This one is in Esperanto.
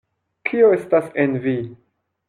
Kio estas en vi?